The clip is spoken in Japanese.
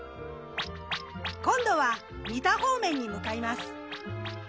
今度は三田方面に向かいます。